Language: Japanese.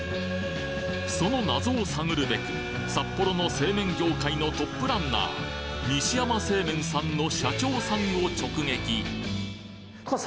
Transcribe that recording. その謎を探るべく札幌の製麺業界のトップランナー西山製麺さんの社長さんを直撃